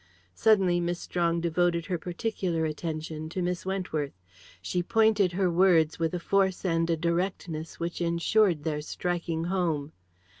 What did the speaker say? Suddenly Miss Strong devoted her particular attention to Miss Wentworth. She pointed her words with a force and a directness which ensured their striking home.